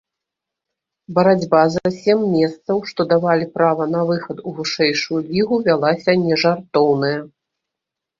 Барацьба за сем месцаў, што давалі права на выхад у вышэйшую лігу, вялася нежартоўная.